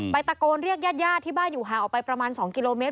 ตะโกนเรียกญาติที่บ้านอยู่ห่างออกไปประมาณ๒กิโลเมตร